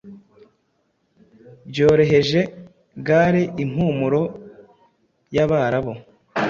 byoroheje gale impumuro yabarabu